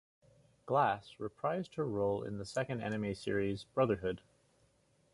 Glass reprised her role in the second anime series, "Brotherhood".